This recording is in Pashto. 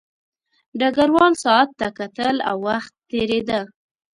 ډګروال ساعت ته کتل او وخت تېرېده